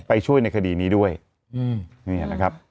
ไปช่วยในคดีนี้ด้วยเนี่ยนะครับ